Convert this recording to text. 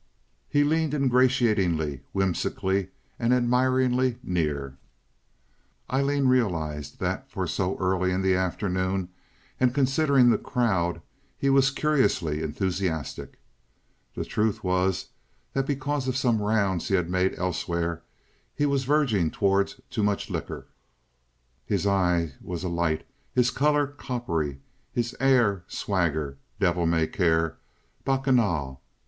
He leaned ingratiatingly, whimsically, admiringly near. Aileen realized that for so early in the afternoon, and considering the crowd, he was curiously enthusiastic. The truth was that because of some rounds he had made elsewhere he was verging toward too much liquor. His eye was alight, his color coppery, his air swagger, devil may care, bacchanal.